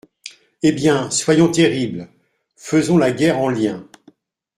«Eh bien ! soyons terribles, faisons la guerre en liens.